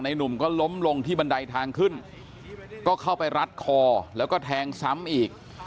หนุ่มก็ล้มลงที่บันไดทางขึ้นก็เข้าไปรัดคอแล้วก็แทงซ้ำอีก